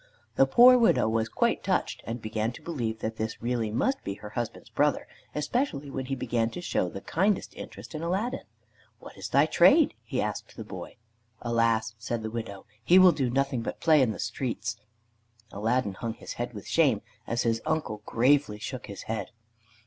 The poor widow was quite touched, and began to believe that this really must be her husband's brother, especially when he began to show the kindest interest in Aladdin. "What is thy trade?" he asked the boy. "Alas!" said the widow, "he will do nothing but play in the streets." Aladdin hung his head with shame as his uncle gravely shook his head.